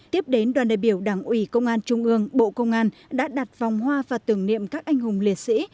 tiếp đến đoàn đại biểu đảng ủy công an trung ương bộ công an đã đặt vòng hoa và tưởng niệm các anh hùng liệt sĩ